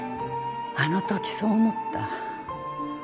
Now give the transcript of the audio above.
あのときそう思った。